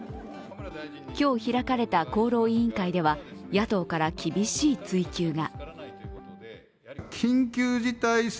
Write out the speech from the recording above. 今日開かれた厚労委員会では野党から厳しい追及が。